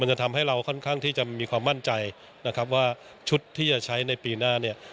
จะทำให้เราค่อนข้างที่จะมีความมั่นใจนะครับว่าชุดที่จะใช้ในปีหน้าเนี่ย